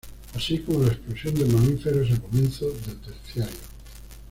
Así como la explosión de mamíferos a comienzo del Terciario.